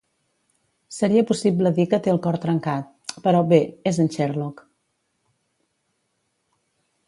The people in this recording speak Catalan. Seria possible dir que té el cor trencat, però, bé, és en Sherlock.